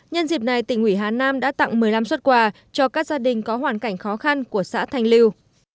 nhân dịp này tỉnh ủy hà nam đã tặng một mươi năm xuất quà cho các gia đình có hoàn cảnh khó khăn của xã thanh liêu